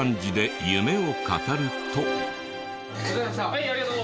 はいありがとう！